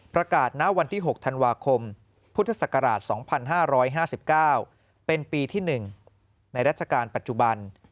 ณวันที่๖ธันวาคมพุทธศักราช๒๕๕๙เป็นปีที่๑ในราชการปัจจุบัน